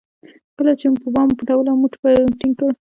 کله چې به مو بادام پټول او موټ به مو ټینګ کړ.